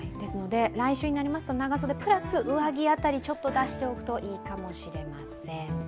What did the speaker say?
来週になりますと、長袖プラス上着辺り、ちょっと出しておくといいかもしれません。